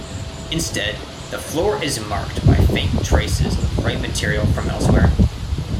Instead, the floor is marked by faint traces of ray material from elsewhere.